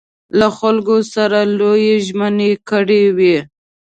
له خلکو سره لویې ژمنې کړې وې.